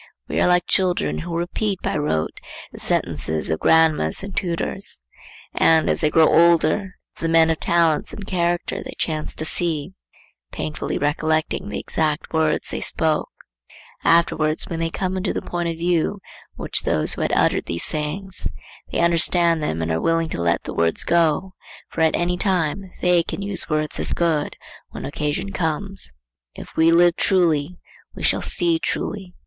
We are like children who repeat by rote the sentences of grandames and tutors, and, as they grow older, of the men of talents and character they chance to see,—painfully recollecting the exact words they spoke; afterwards, when they come into the point of view which those had who uttered these sayings, they understand them and are willing to let the words go; for at any time they can use words as good when occasion comes. If we live truly, we shall see truly.